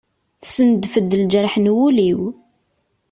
Tessendef-d lǧerḥ n wul-iw.